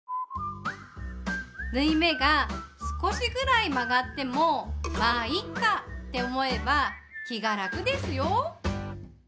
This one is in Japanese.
縫い目が少しぐらい曲がってもまぁいいか！って思えば気が楽ですよ。